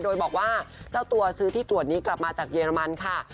โดยบอกว่าเจ้าตัวซื้อที่ตรวจนี้กลับมาจากเยอรมันค่ะ